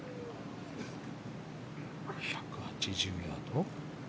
１８０ヤード。